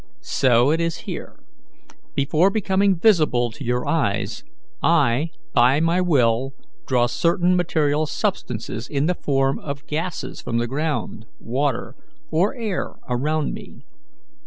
So it is here. Before becoming visible to your eyes, I, by my will, draw certain material substances in the form of gases from the ground, water, or air around me.